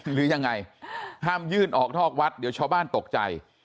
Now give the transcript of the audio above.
หรือยังไงห้ามยื่นออกนอกวัดเดี๋ยวชาวบ้านตกใจ